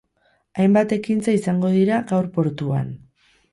Hainbat ekintza izango dira gaur portuan.